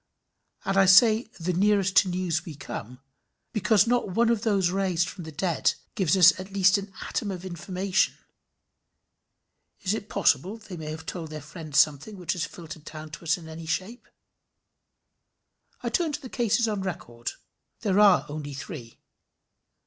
And I say the nearest to news we come, because not one of those raised from the dead gives us at least an atom of information. Is it possible they may have told their friends something which has filtered down to us in any shape? I turn to the cases on record. They are only three.